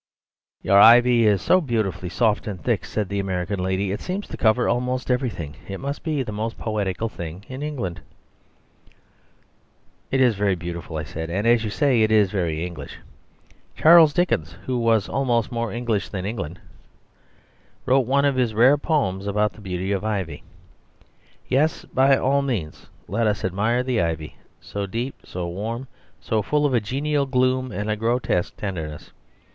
"Your ivy is so beautifully soft and thick," said the American lady, "it seems to cover almost everything. It must be the most poetical thing in England." "It is very beautiful," I said, "and, as you say, it is very English. Charles Dickens, who was almost more English than England, wrote one of his rare poems about the beauty of ivy. Yes, by all means let us admire the ivy, so deep, so warm, so full of a genial gloom and a grotesque tenderness.